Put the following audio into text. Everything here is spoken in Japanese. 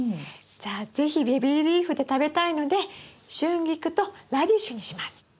じゃあ是非ベビーリーフで食べたいのでシュンギクとラディッシュにします。